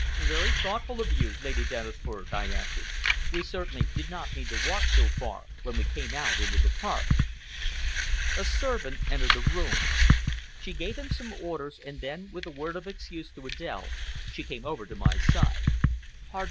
"Very thoughtful of you, Lady Dennisford," I answered. "We certainly did not mean to walk so far when we came out into the park." A servant entered the room. She gave him some orders, and then, with a word of excuse to Adèle, she came over to my side.